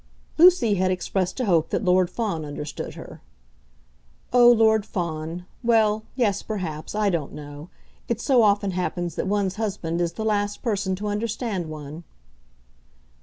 Lucy had expressed a hope that Lord Fawn understood her. "Oh, Lord Fawn, well; yes; perhaps; I don't know. It so often happens that one's husband is the last person to understand one."